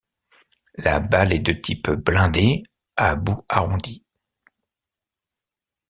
La balle est de type blindée à bout arrondi.